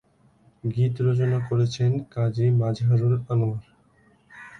গীত রচনা করেছেন গাজী মাজহারুল আনোয়ার।